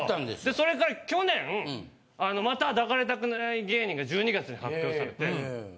それから去年あのまた抱かれたくない芸人が１２月に発表されてそ